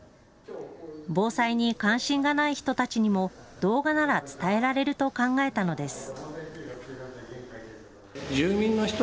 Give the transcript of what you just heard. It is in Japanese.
防災に関心がない人たちにも動画なら伝えられると考えたのです。